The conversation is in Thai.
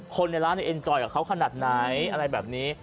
คนในร้านเอ็นจอยกับเขาขนาดไหนอะไรแบบนี้